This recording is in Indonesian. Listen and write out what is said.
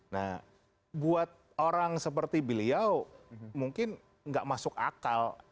nah buat orang seperti beliau mungkin nggak masuk akal